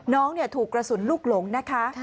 น้องถูกกระสุนลูกหลงนะคะ